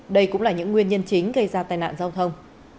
đây cũng là những nguyên nhân chính gây ra tai nạn giao thông